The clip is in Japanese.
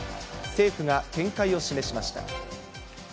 政府が見解を示しました。